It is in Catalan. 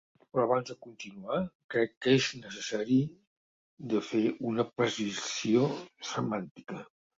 Però abans de continuar, crec que és necessari de fer una precisió semàntica.